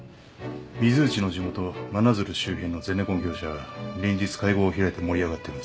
水内の地元真鶴周辺のゼネコン業者は連日会合を開いて盛り上がってます。